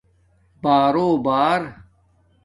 بارو بݳر